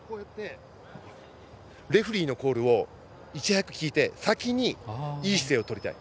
レフェリーのコールをいち早く聞いて先にいい姿勢をとりたい。